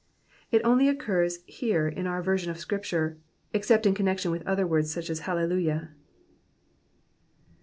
It only occurs here in our version of Scripture, except in connection with other words such as HallelujoA.